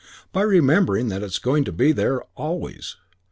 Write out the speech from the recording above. By remembering that it's going to be there for always.